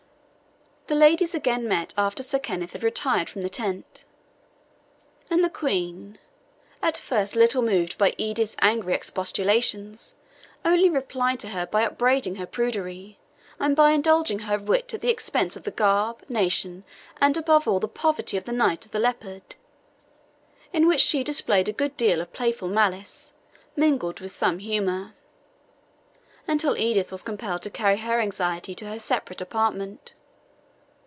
The ladies again met after Sir Kenneth had retired from the tent, and the Queen, at first little moved by Edith's angry expostulations, only replied to her by upbraiding her prudery, and by indulging her wit at the expense of the garb, nation, and, above all the poverty of the Knight of the Leopard, in which she displayed a good deal of playful malice, mingled with some humour, until Edith was compelled to carry her anxiety to her separate apartment.